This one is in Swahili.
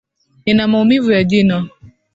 Nina maumivu ya jino